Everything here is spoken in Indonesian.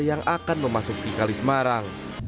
yang akan memasuki kali semarang